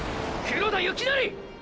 黒田雪成！！